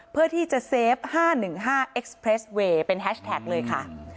เพื่อที่จะเซฟ๕๑๕เอ็กซ์เพรสเวย์เป็นแฮชแท็กเลยค่ะ